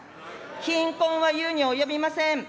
貧困はいうにおよびません。